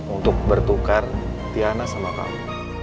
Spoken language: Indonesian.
untuk bertukar tiana sama kamu